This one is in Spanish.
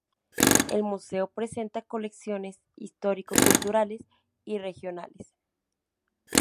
El museo presenta colecciones histórico-culturales y regionales.